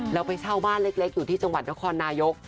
แล้วไปเช่าบ้านเล็กอยู่ที่จังหวัดนครนายก